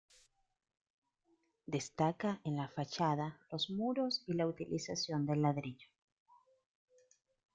Destaca en la fachada los muros y la utilización del ladrillo.